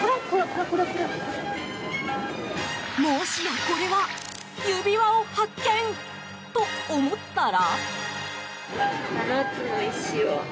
もしや、これは指輪を発見！と、思ったら。